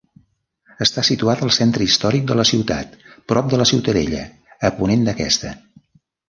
Està situada al centre històric de la ciutat, prop de la ciutadella, a ponent d'aquesta.